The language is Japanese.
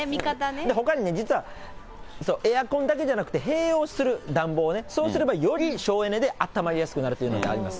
ほかにね、実はエアコンだけじゃなくて、併用する暖房ね、そうすればより省エネであったまりやすくなるというのがあります。